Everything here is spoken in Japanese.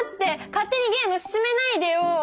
勝手にゲーム進めないでよ！